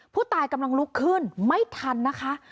ผู้ตายกำลังลุกขึ้นไม่ทันนะคะ